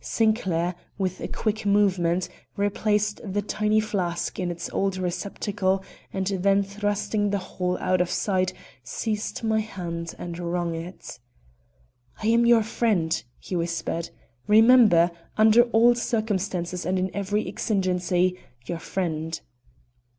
Sinclair, with a quick movement, replaced the tiny flask in its old receptacle, and then thrusting the whole out of sight, seized my hand and wrung it. "I am your friend," he whispered. "Remember, under all circumstances and in every exigency, your friend."